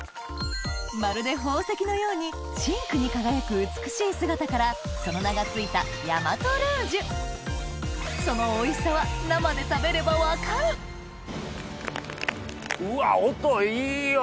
まるで宝石のように深紅に輝く美しい姿からその名が付いたそのおいしさはうわっ音いいよ！